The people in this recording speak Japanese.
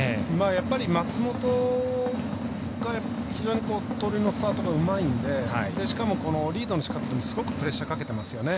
やっぱり松本が非常に盗塁のスタートがうまいんでしかもリードのしかたもすごくプレッシャーかけてますよね。